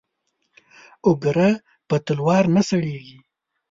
او گره په تلوار نه سړېږي.